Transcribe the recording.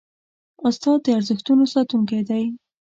استاد د ارزښتونو ساتونکی دی.